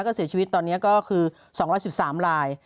ก็เสียชีวิตตอนนี้ก็คือ๒๑๓ลาย